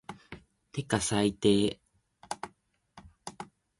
てか最低